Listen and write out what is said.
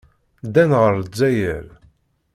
Ddan ɣer Lezzayer.